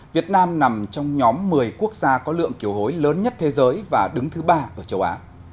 việt nam nằm trong nhóm một mươi quốc gia có lượng kiều hối lớn nhất thế giới và đứng thứ ba ở châu á